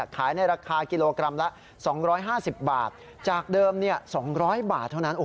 ขายในราคากิโลกรัมละ๒๕๐บาทจากเดิม๒๐๐บาทเท่านั้น